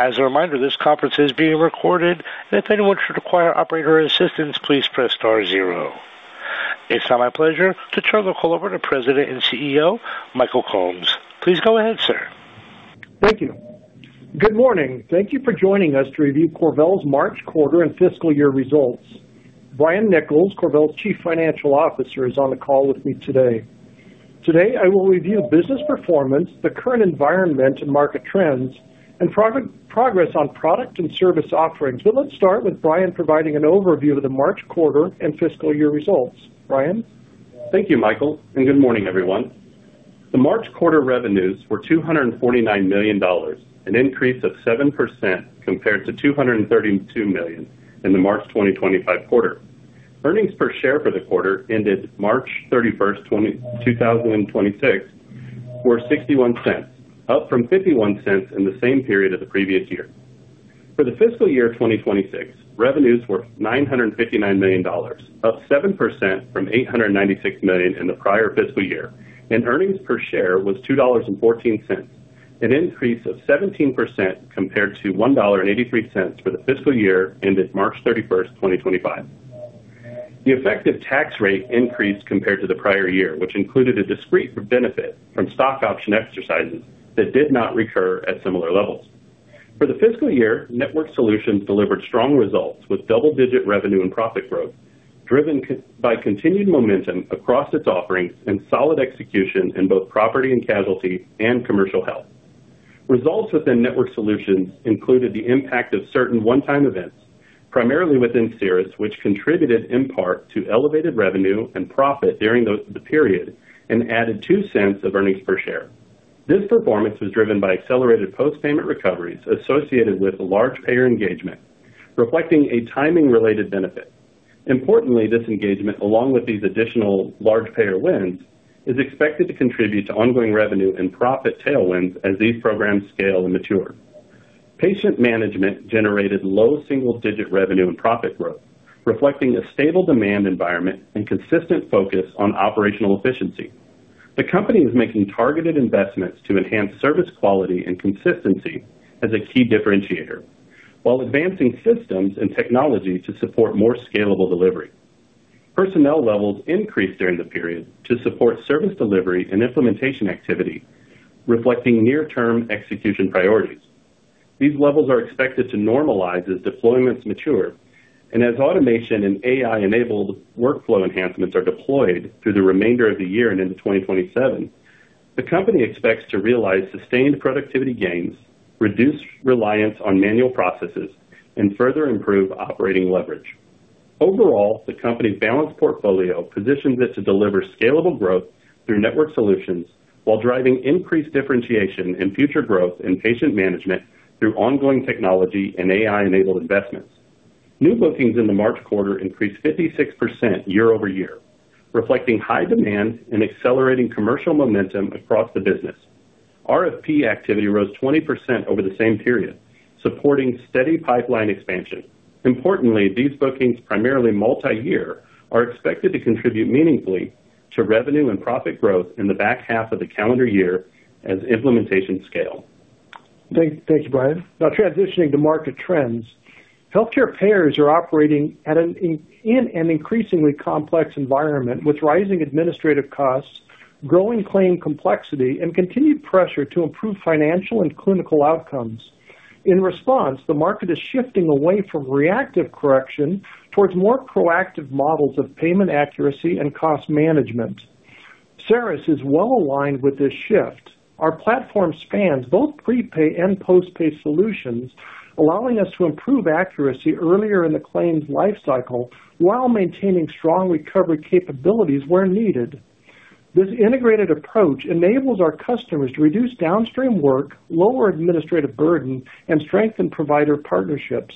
As a reminder, this conference is being recorded. If anyone should require operator assistance, please press star zero. It's now my pleasure to turn the call over to President and CEO, Michael Combs. Please go ahead, sir. Thank you. Good morning. Thank you for joining us to review CorVel's March quarter and fiscal year results. Brian Nichols, CorVel's Chief Financial Officer, is on the call with me today. Today, I will review business performance, the current environment and market trends, and progress on product and service offerings. Let's start with Brian providing an overview of the March quarter and fiscal year results. Brian? Thank you, Michael, and good morning, everyone. The March quarter revenues were $249 million, an increase of 7% compared to $232 million in the March 2025 quarter. Earnings per share for the quarter ended March 31st, 2026 were $0.61, up from $0.51 in the same period as the previous year. For the fiscal year 2026, revenues were $959 million, up 7% from $896 million in the prior fiscal year, and earnings per share was $2.14, an increase of 17% compared to $1.83 for the fiscal year ended March 31st, 2025. The effective tax rate increased compared to the prior year, which included a discrete benefit from stock option exercises that did not recur at similar levels. For the fiscal year, Network Solutions delivered strong results with double-digit revenue and profit growth, driven by continued momentum across its offerings and solid execution in both property and casualty and commercial health. Results within Network Solutions included the impact of certain one-time events, primarily within CERiS, which contributed in part to elevated revenue and profit during the period and added $0.02 of earnings per share. This performance was driven by accelerated post-payment recoveries associated with large payer engagement, reflecting a timing-related benefit. Importantly, this engagement, along with these additional large payer wins, is expected to contribute to ongoing revenue and profit tailwinds as these programs scale and mature. Patient Management generated low single-digit revenue and profit growth, reflecting a stable demand environment and consistent focus on operational efficiency. The company is making targeted investments to enhance service quality and consistency as a key differentiator, while advancing systems and technology to support more scalable delivery. Personnel levels increased during the period to support service delivery and implementation activity, reflecting near-term execution priorities. These levels are expected to normalize as deployments mature and as automation and AI-enabled workflow enhancements are deployed through the remainder of the year and into 2027. The company expects to realize sustained productivity gains, reduce reliance on manual processes, and further improve operating leverage. Overall, the company's balanced portfolio positions it to deliver scalable growth through Network Solutions while driving increased differentiation and future growth in Patient Management through ongoing technology and AI-enabled investments. New bookings in the March quarter increased 56% year-over-year, reflecting high demand and accelerating commercial momentum across the business. RFP activity rose 20% over the same period, supporting steady pipeline expansion. Importantly, these bookings, primarily multi-year, are expected to contribute meaningfully to revenue and profit growth in the back half of the calendar year as implementations scale. Thank you, Brian. Now transitioning to market trends. Healthcare payers are operating in an increasingly complex environment, with rising administrative costs, growing claim complexity, and continued pressure to improve financial and clinical outcomes. In response, the market is shifting away from reactive correction towards more proactive models of payment accuracy and cost management. CERiS is well-aligned with this shift. Our platform spans both prepay and postpaid solutions, allowing us to improve accuracy earlier in the claims life cycle while maintaining strong recovery capabilities where needed. This integrated approach enables our customers to reduce downstream work, lower administrative burden, and strengthen provider partnerships.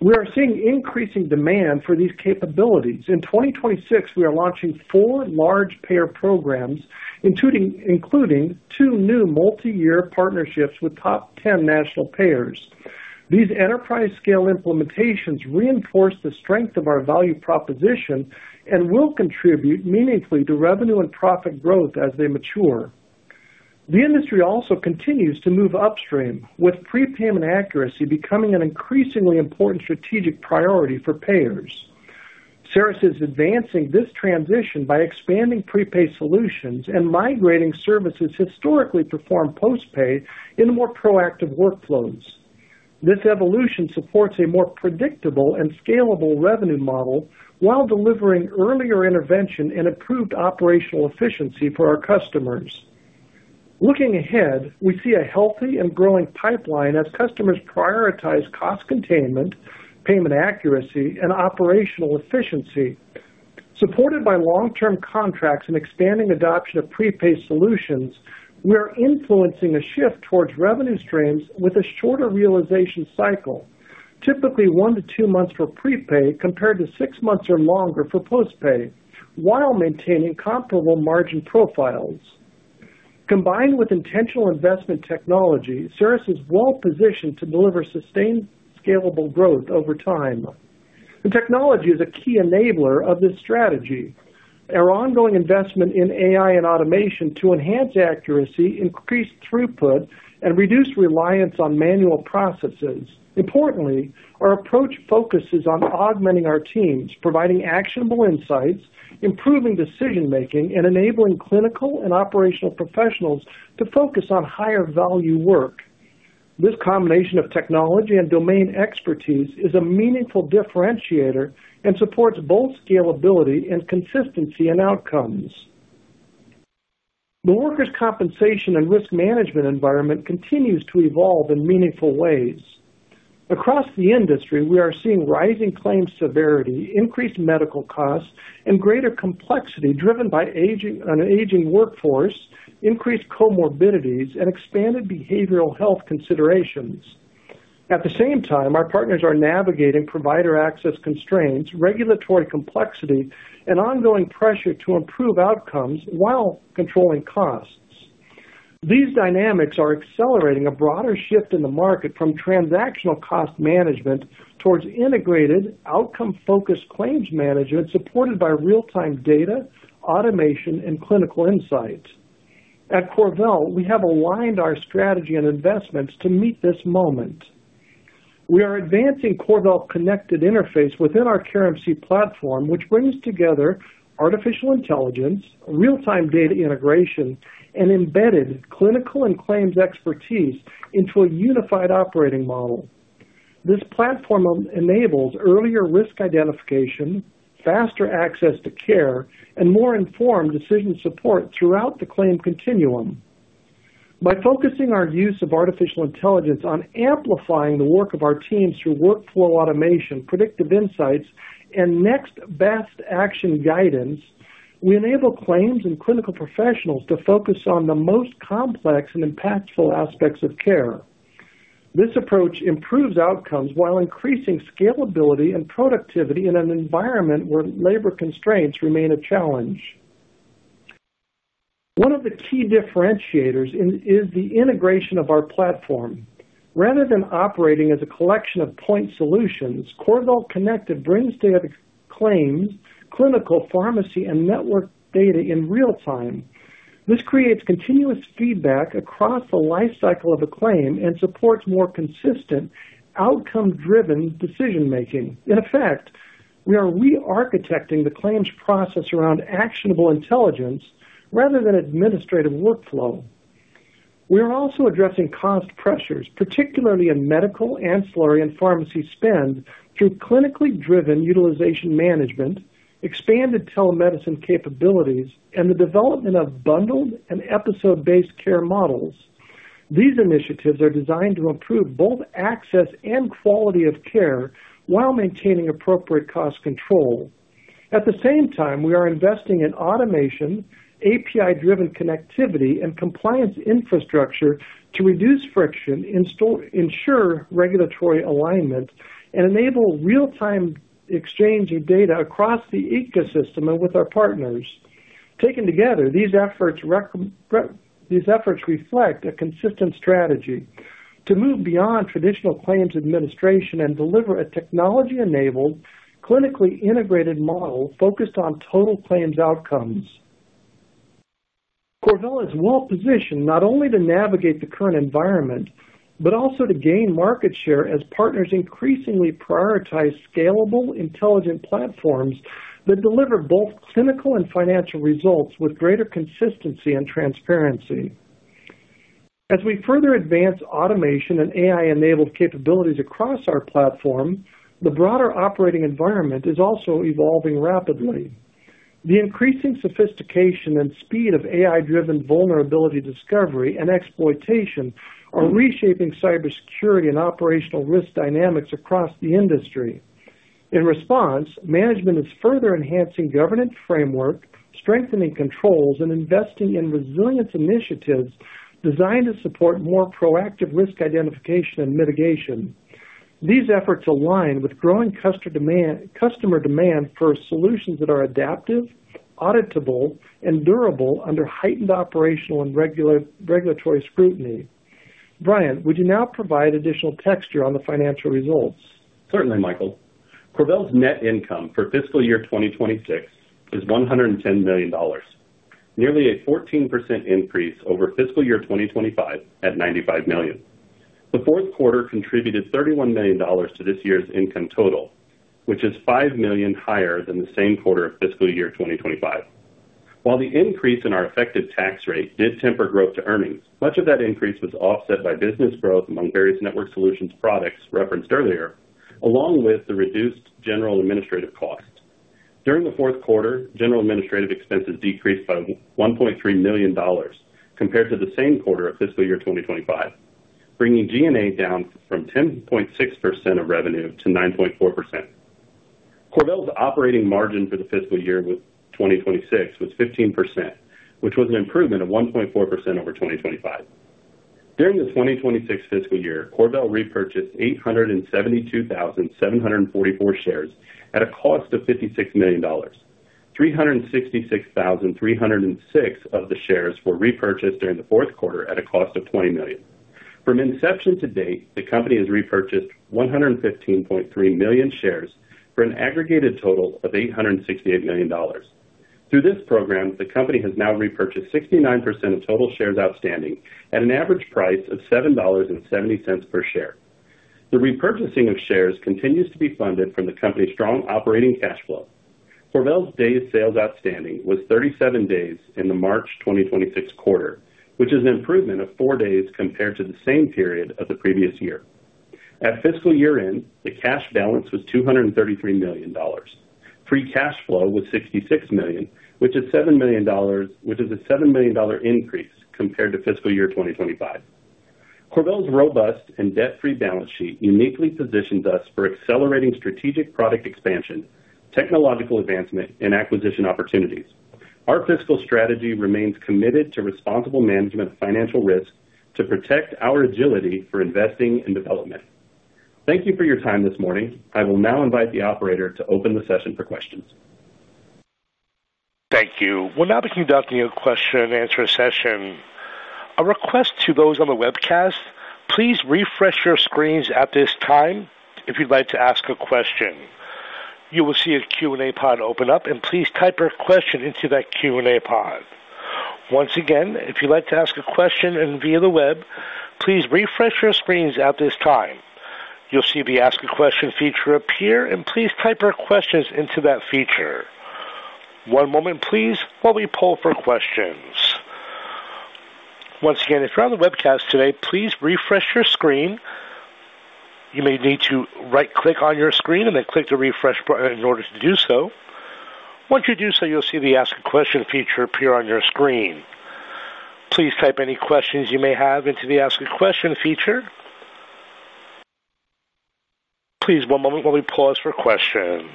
We are seeing increasing demand for these capabilities. In 2026, we are launching four large payer programs, including two new multi-year partnerships with top 10 national payers. These enterprise-scale implementations reinforce the strength of our value proposition and will contribute meaningfully to revenue and profit growth as they mature. The industry also continues to move upstream, with prepayment accuracy becoming an increasingly important strategic priority for payers. CERiS is advancing this transition by expanding prepaid solutions and migrating services historically performed postpaid in more proactive workflows. This evolution supports a more predictable and scalable revenue model while delivering earlier intervention and improved operational efficiency for our customers. Looking ahead, we see a healthy and growing pipeline as customers prioritize cost containment, payment accuracy, and operational efficiency. Supported by long-term contracts and expanding adoption of prepaid solutions, we are influencing a shift towards revenue streams with a shorter realization cycle, typically one to two months for prepay compared to six months or longer for postpaid, while maintaining comparable margin profiles. Combined with intentional investment technology, CERiS is well-positioned to deliver sustained scalable growth over time. Technology is a key enabler of this strategy. Our ongoing investment in AI and automation to enhance accuracy, increase throughput, and reduce reliance on manual processes. Importantly, our approach focuses on augmenting our teams, providing actionable insights, improving decision-making, and enabling clinical and operational professionals to focus on higher value work. This combination of technology and domain expertise is a meaningful differentiator and supports both scalability and consistency in outcomes. The workers' compensation and risk management environment continues to evolve in meaningful ways. Across the industry, we are seeing rising claims severity, increased medical costs, and greater complexity driven by an aging workforce, increased comorbidities, and expanded behavioral health considerations. At the same time, our partners are navigating provider access constraints, regulatory complexity, and ongoing pressure to improve outcomes while controlling costs. These dynamics are accelerating a broader shift in the market from transactional cost management toward integrated outcome-focused claims management supported by real-time data, automation, and clinical insights. At CorVel, we have aligned our strategy and investments to meet this moment. We are advancing CorVel Connected interface within our CareMC platform, which brings together artificial intelligence, real-time data integration, and embedded clinical and claims expertise into a unified operating model. This platform enables earlier risk identification, faster access to care, and more informed decision support throughout the claim continuum. By focusing our use of artificial intelligence on amplifying the work of our teams through workflow automation, predictive insights, and next best action guidance, we enable claims and clinical professionals to focus on the most complex and impactful aspects of care. This approach improves outcomes while increasing scalability and productivity in an environment where labor constraints remain a challenge. One of the key differentiators is the integration of our platform. Rather than operating as a collection of point solutions, CorVel Connected brings together claims, clinical, pharmacy, and network data in real time. This creates continuous feedback across the life cycle of a claim and supports more consistent outcome-driven decision-making. In effect, we are re-architecting the claims process around actionable intelligence rather than administrative workflow. We are also addressing cost pressures, particularly in medical, ancillary, and pharmacy spend, through clinically driven utilization management, expanded telemedicine capabilities, and the development of bundled and episode-based care models. These initiatives are designed to improve both access and quality of care while maintaining appropriate cost control. At the same time, we are investing in automation, API-driven connectivity, and compliance infrastructure to reduce friction, ensure regulatory alignment, and enable real-time exchange of data across the ecosystem and with our partners. Taken together, these efforts reflect a consistent strategy to move beyond traditional claims administration and deliver a technology-enabled, clinically integrated model focused on total claims outcomes. CorVel is well-positioned not only to navigate the current environment but also to gain market share as partners increasingly prioritize scalable, intelligent platforms that deliver both clinical and financial results with greater consistency and transparency. As we further advance automation and AI-enabled capabilities across our platform, the broader operating environment is also evolving rapidly. The increasing sophistication and speed of AI-driven vulnerability discovery and exploitation are reshaping cybersecurity and operational risk dynamics across the industry. In response, management is further enhancing governance framework, strengthening controls, and investing in resilience initiatives designed to support more proactive risk identification and mitigation. These efforts align with growing customer demand for solutions that are adaptive, auditable, and durable under heightened operational and regulatory scrutiny. Brian, would you now provide additional texture on the financial results? Certainly, Michael. CorVel's net income for fiscal year 2026 is $110 million. Nearly a 14% increase over fiscal year 2025 at $95 million. The fourth quarter contributed $31 million to this year's income total, which is $5 million higher than the same quarter of fiscal year 2025. While the increase in our effective tax rate did temper growth to earnings, much of that increase was offset by business growth among various Network Solutions products referenced earlier, along with the reduced general administrative costs. During the fourth quarter, general administrative expenses decreased by $1.3 million compared to the same quarter of fiscal year 2025, bringing G&A down from 10.6% of revenue to 9.4%. CorVel's operating margin for the fiscal year with 2026 was 15%, which was an improvement of 1.4% over 2025. During the 2026 fiscal year, CorVel repurchased 872,744 shares at a cost of $56 million. 366,306 of the shares were repurchased during the fourth quarter at a cost of $20 million. From inception to date, the company has repurchased 115.3 million shares for an aggregated total of $868 million. Through this program, the company has now repurchased 69% of total shares outstanding at an average price of $7.70 per share. The repurchasing of shares continues to be funded from the company's strong operating cash flow. CorVel's days sales outstanding was 37 days in the March 2026 quarter, which is an improvement of four days compared to the same period of the previous year. At fiscal year-end, the cash balance was $233 million. Free cash flow was $66 million, which is a $7 million increase compared to fiscal year 2025. CorVel's robust and debt-free balance sheet uniquely positions us for accelerating strategic product expansion, technological advancement, and acquisition opportunities. Our fiscal strategy remains committed to responsible management of financial risk to protect our agility for investing in development. Thank you for your time this morning. I will now invite the operator to open the session for questions. Thank you. We'll now be conducting a question-and-answer session. A request to those on the webcast, please refresh your screens at this time if you'd like to ask a question. You will see a Q&A pod open up, and please type your question into that Q&A pod. Once again, if you'd like to ask a question via the web, please refresh your screens at this time. You'll see the Ask a Question feature appear, and please type your questions into that feature. One moment, please, while we poll for questions. Once again, if you're on the webcast today, please refresh your screen. You may need to right-click on your screen and then click the refresh button in order to do so. Once you do so, you'll see the Ask a Question feature appear on your screen. Please type any questions you may have into the Ask a Question feature. Please, one moment while we pause for questions.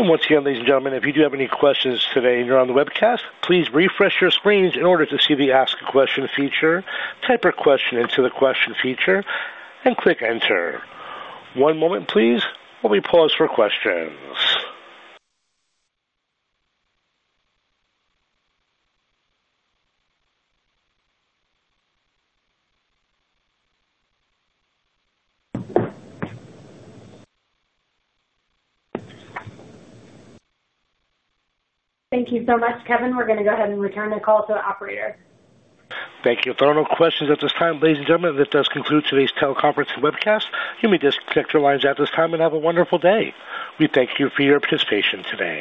Once again, ladies and gentlemen, if you do have any questions today and you're on the webcast, please refresh your screens in order to see the Ask a Question feature, type your question into the question feature, and click Enter. One moment, please, while we pause for questions. Thank you so much, Kevin. We're going to go ahead and return the call to the operator. Thank you. If there are no questions at this time, ladies and gentlemen, that does conclude today's teleconference and webcast. You may disconnect your lines at this time. Have a wonderful day. We thank you for your participation today.